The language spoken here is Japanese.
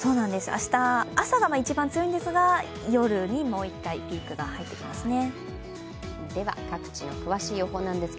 明日、朝が一番強いんですが、夜にもう１回ピークが入ってきますね。